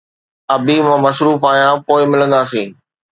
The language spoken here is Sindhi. ابي مان مصروف آهيان، پوءِ ملنداسين